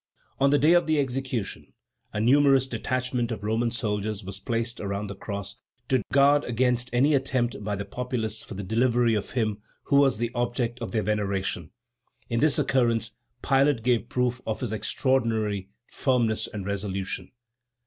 On the day of the execution, a numerous detachment of Roman soldiers was placed around the cross to guard against any attempt by the populace for the delivery of him who was the object of their veneration. In this occurrence Pilate gave proof of his extraordinary firmness and resolution.